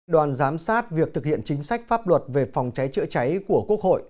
đoàn giám sát việc thực hiện chính sách pháp luật về phòng cháy chữa cháy của quốc hội